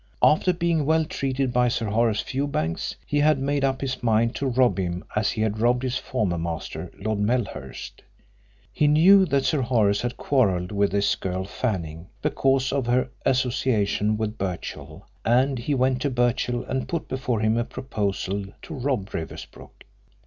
After being well treated by Sir Horace Fewbanks he had made up his mind to rob him as he had robbed his former master Lord Melhurst. He knew that Sir Horace had quarrelled with this girl Fanning because of her association with Birchill, and he went to Birchill and put before him a proposal to rob Riversbrook.